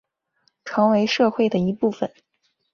成为社会的一部分